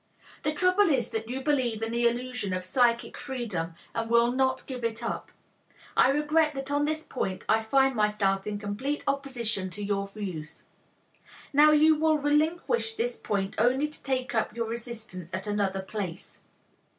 The trouble is that you believe in the illusion of psychic freedom and will not give it up. I regret that on this point I find myself in complete opposition to your views. Now you will relinquish this point only to take up your resistance at another place.